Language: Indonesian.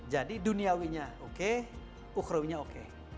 jadi duniawinya oke ukhrawinya oke